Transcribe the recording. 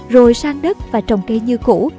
rồi sang đất và trồng cây như cũ